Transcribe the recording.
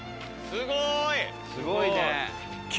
すごいね。